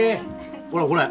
ほらこれ。